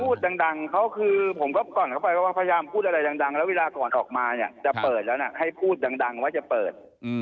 พูดดังเขาคือผมก็ก่อนเข้าไปก็ว่าพยายามพูดอะไรดังแล้วเวลาก่อนออกมาเนี่ยจะเปิดแล้วนะให้พูดดังว่าจะเปิด